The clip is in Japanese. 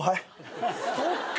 そっか！